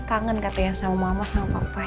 kangen kata yang sama mama sama papahnya